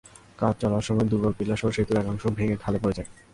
কাজ চলার সময় দুর্বল পিলারসহ সেতুর একাংশ ভেঙে খালে পড়ে যায়।